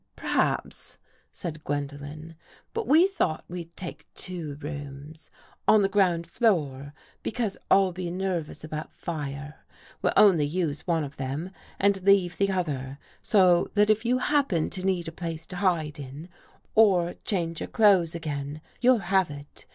" Perhaps," said Gwendolen. " But we thought we'd take two rooms — on the ground floor, be cause I'll be nervous about fire. We'll only use one of them and leave the other so that if you happen to need a place to hide in, or change your clothes again, you'll have it.